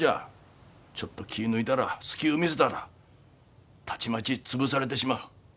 ちょっと気ぃ抜いたら隙ゅう見せたらたちまち潰されてしまう。